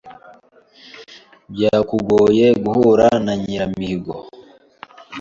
Byakugoye guhura na Nyiramihigo?